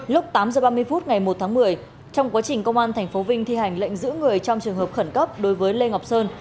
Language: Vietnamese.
lúc tám h ba mươi phút ngày một tháng một mươi trong quá trình công an tp vinh thi hành lệnh giữ người trong trường hợp khẩn cấp đối với lê ngọc sơn